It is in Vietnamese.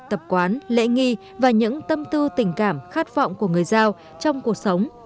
tập quán lễ nghi và những tâm tư tình cảm khát vọng của người giao trong cuộc sống